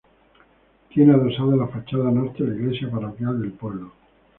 Tiene adosada a la fachada norte la iglesia parroquial del pueblo.